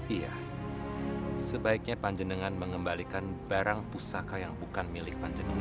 iya sebaiknya panjenengan mengembalikan barang pusaka yang bukan milik panjenengan